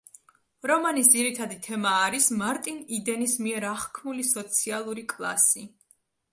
რომანის ძირითადი თემა არის მარტინ იდენის მიერ აღქმული სოციალური კლასი.